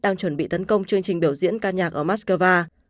đang chuẩn bị tấn công chương trình biểu diễn ca nhạc ở moscow